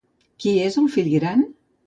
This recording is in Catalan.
Qui és el fill gran?